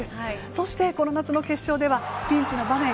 そして、この夏の決勝ではピンチの場面